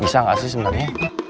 bisa nggak sih sebenarnya